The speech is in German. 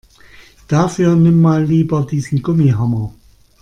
Dafür nimm mal lieber diesen Gummihammer.